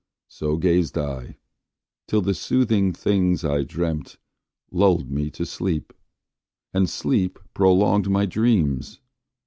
So gazed I, till the soothing things, I dreamt, Lulled me to sleep, and sleep prolonged my dreams!